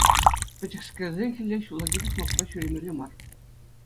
Пӗчӗкскерсен хӗлле ҫуллахи пушмакпа ҫӳремелле мар!